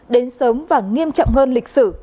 đến sớm và nghiêm trọng hơn lịch sử